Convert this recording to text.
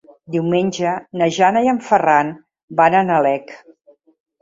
Diumenge na Jana i en Ferran van a Nalec.